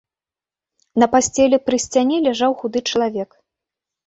На пасцелі, пры сцяне ляжаў худы чалавек.